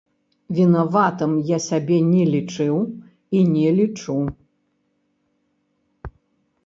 Вінаватым я сябе не лічыў і не лічу.